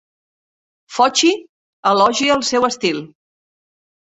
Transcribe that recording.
Foci elogia el seu estil.